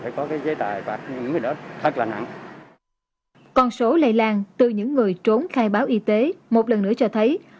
trên quan diện pháp lý